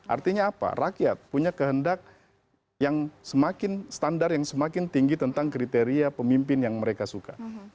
artinya apa rakyat punya kehendak yang semakin standar yang semakin tinggi tentang kriteria pemimpin yang mereka suka